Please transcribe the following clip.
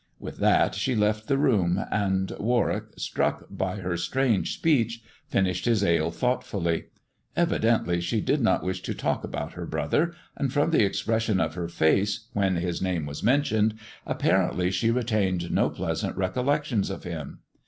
With that she left the room, and Warwick, struck by her strange speech, finished his ale thoughtfully. Evidently she did not wish to talk about her brother, and from the expression of her face when his name was mentioned, apparently she retained no pleasant recollections of him.